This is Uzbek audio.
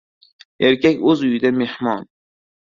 • Erkak o‘z uyida mehmon.